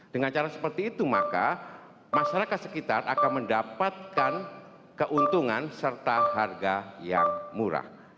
dengan cara seperti itu maka masyarakat sekitar akan mendapatkan keuntungan serta harga yang murah